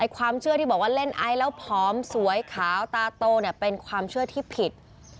ความเชื่อที่บอกว่าเล่นไอซ์แล้วผอมสวยขาวตาโตเป็นความเชื่อที่ผิด